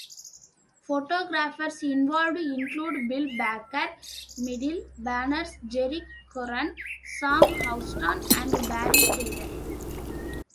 Photographers involved included Bill Baker, Medill Barnes, Jerry Curran, Sam Houston and Barry Trader.